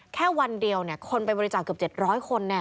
แค่วันเดียวคนไปบริจาคเกือบเจ็ดร้อยคนแน่